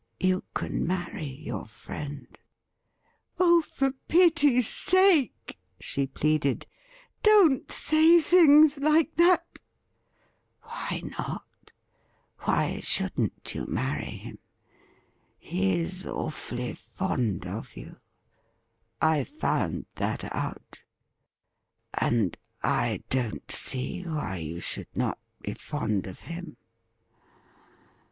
You can marry your friend.' ' Oh, for pity's sake,' she pleaded, ' don't say things like that !'' Why not .'' Why shouldn't you marry him ? He is awfully fond of you — I found out that — and I don't see why you should not be fond of him.